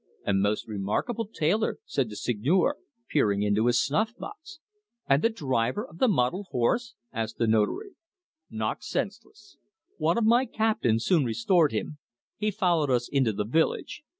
"A most remarkable tailor," said the Seigneur, peering into his snuff box. "And the driver of the mottled horse?" asked the Notary. "Knocked senseless. One of my captains soon restored him. He followed us into the village.